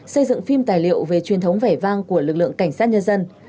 xây dựng phim tài liệu về truyền thống vẻ vang của lực lượng cảnh sát nhân dân